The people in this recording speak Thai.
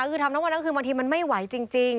คือทำทั้งวันนั้นคือบางทีมันไม่ไหวจริง